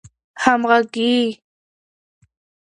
همږغۍ